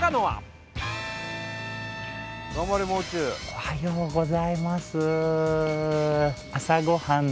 おはようございます。